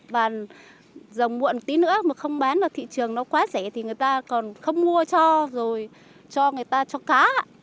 và dòng muộn tí nữa mà không bán vào thị trường nó quá rẻ thì người ta còn không mua cho rồi cho người ta cho cá